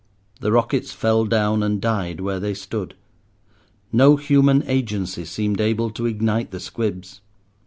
The rockets fell down and died where they stood. No human agency seemed able to ignite the squibs.